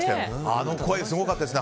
あの声、すごかったですね